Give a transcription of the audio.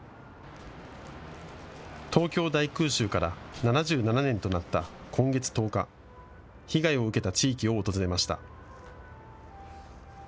東京大空襲から７７年となった今月１０日、被害を受けた地域を訪れました。